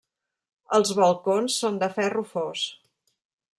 Els balcons són de ferro fos.